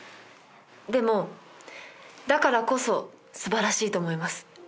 でもだからこそ素晴らしいと思います。